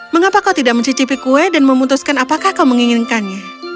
mengapa kau tidak mencicipi kue dan memutuskan apakah kau menginginkannya